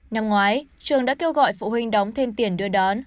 năm ngoái trường đã kêu gọi phụ huynh đóng thêm tiền đưa đón